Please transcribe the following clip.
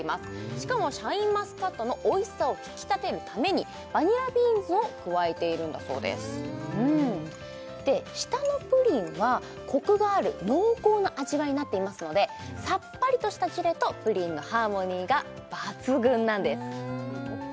しかもシャインマスカットのおいしさを引き立てるためにバニラビーンズを加えているんだそうですで下のプリンはコクがある濃厚な味わいになっていますのでさっぱりとしたジュレとプリンのハーモニーが抜群なんです